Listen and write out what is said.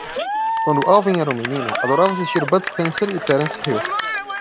Quando Alvin era um menino, adorava assistir Bud Spencer e Terence Hill.